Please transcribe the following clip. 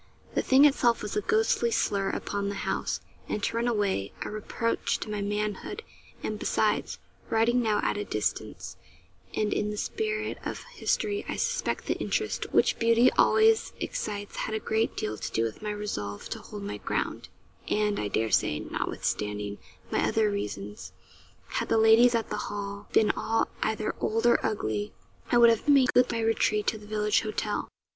The thing itself was a ghostly slur upon the house, and, to run away, a reproach to my manhood; and besides, writing now at a distance, and in the spirit of history, I suspect the interest which beauty always excites had a great deal to do with my resolve to hold my ground; and, I dare say, notwithstanding my other reasons, had the ladies at the Hall been all either old or ugly, I would have made good my retreat to the village hotel.